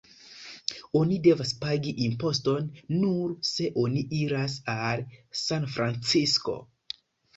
Oni devas pagi imposton nur se oni iras al Sanfrancisko.